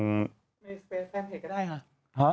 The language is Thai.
ในแฟนเพจก็ได้ค่ะ